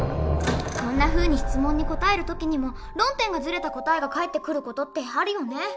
こんなふうに質問に答える時にも論点がずれた答えが返ってくる事ってあるよね。